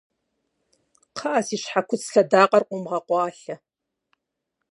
Къыӏэ си щхьэ куцӏ лъэдакъэр къомыгъэкъуалъэ